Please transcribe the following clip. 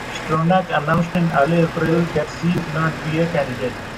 Stronach announced in early April that she would not be a candidate.